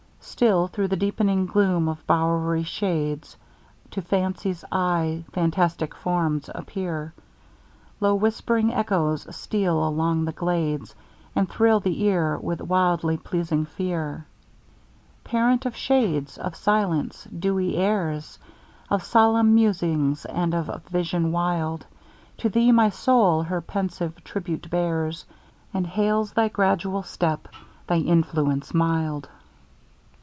Still through the deep'ning gloom of bow'ry shades To Fancy's eye fantastic forms appear; Low whisp'ring echoes steal along the glades And thrill the ear with wildly pleasing fear. Parent of shades! of silence! dewy airs! Of solemn musing, and of vision wild! To thee my soul her pensive tribute bears, And hails thy gradual step, thy influence mild.